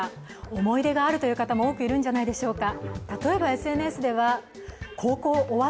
思い出があるという方も多くいるんじゃないでしょうか。